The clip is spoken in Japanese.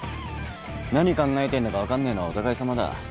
何考えてんのか分かんねえのはお互いさまだ。